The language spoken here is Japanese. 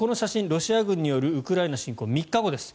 ロシア軍によるウクライナ侵攻３日後です